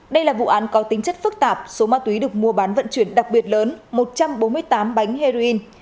đây là vụ án có tính chất phức tạp số ma túy được mua bán vận chuyển đặc biệt lớn một trăm bốn mươi tám bánh heroin